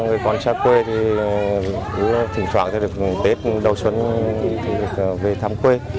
người con xa quê thì thỉnh thoảng được tết đầu xuân về thăm quê